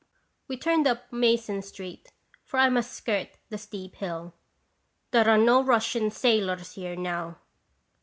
We turned up Mason street, for I must skirt the steep hill. " There are no strange Russian sailors here now."